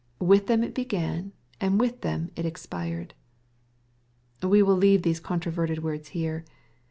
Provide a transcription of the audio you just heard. With them it began, and with them it ex« pired. We will leave these controverted words here.